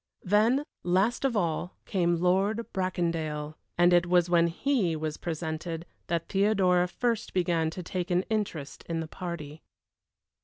Then, last of all, came Lord Bracondale and it was when he was presented that Theodora first began to take an interest in the party.